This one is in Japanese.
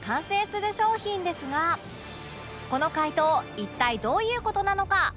この回答一体どういう事なのか？